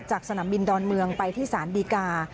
สนามบินดอนเมืองไปที่สารดีกา